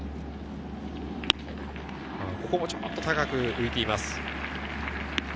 ここもちょっと高く浮いています。